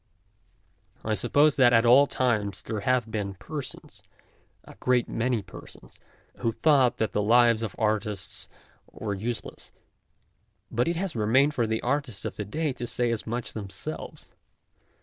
I suppose that at all times there have been persons, a great many persons, who thought that the lives of artists were useless, but it has remained for the artists of to day to say as much them selves.